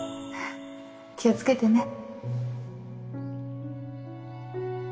気を付けてね